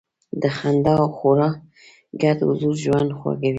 د خندا او خواړو ګډ حضور ژوند خوږوي.